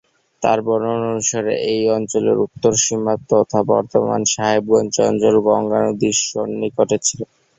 তার বর্ণনা অনুসারে এই অঞ্চলের উত্তর সীমা তথা বর্তমান সাহেবগঞ্জ অঞ্চল গঙ্গা নদীর সন্নিকটে ছিল।